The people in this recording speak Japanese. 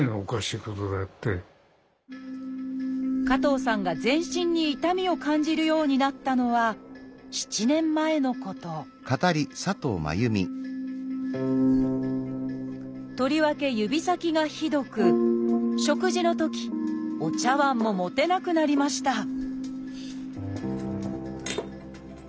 加藤さんが全身に痛みを感じるようになったのは７年前のこととりわけ指先がひどく食事のときお茶わんも持てなくなりました